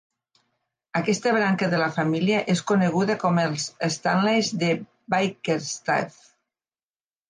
Aquesta branca de la família és coneguda com els "Stanleys de Bickerstaffe".